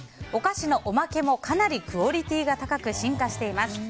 お菓子のおまけもかなりクオリティーが高く進化しています。